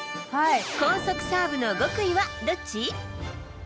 高速サーブの極意はどっち？